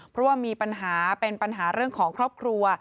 เพราะว่ามีปัญหาเป็นปัญหาเรื่องของครอบครัว